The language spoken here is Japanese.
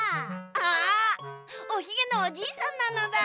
あおひげのおじいさんなのだ。